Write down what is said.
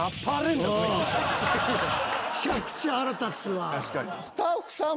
むちゃくちゃ腹立つわ！